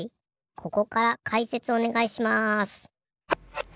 ここからかいせつおねがいします。